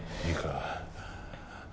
いいか？